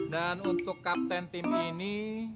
dan untuk kapten tim ini